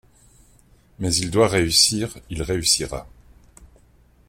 Mais il doit réussir, il réussira.